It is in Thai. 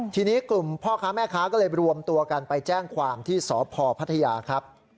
ทีนี้กลุ่มพ่อค้าแม่ค้าก็เลยรวมตัวกันไปแจ้งความที่สพพัทยาครับ